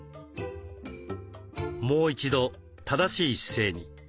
もう一度正しい姿勢に。